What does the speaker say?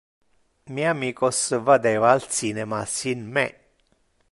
Mi amicos vadeva al cinema sin me.